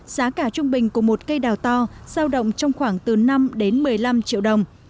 giá cả trung bình của một cây đào to sao động trong khoảng từ năm đến một mươi năm triệu đồng